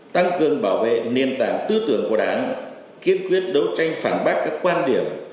tăng cường bảo vệ nền tảng tư tưởng của đảng kiên quyết đấu tranh phản bác các quan điểm